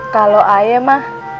kalau ayah mah